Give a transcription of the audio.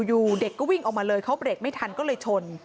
อยู่เด็กก็วิ่งออกมาเลยเขาเบรกไม่ทันก็เลยชน